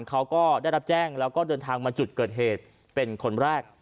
เขาก็ได้รับแจ้งแล้วก็เดินทางมาจุดเกิดเหตุเป็นคนแรก